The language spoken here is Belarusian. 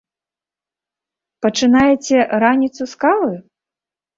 Пачынаеце раніцу з кавы?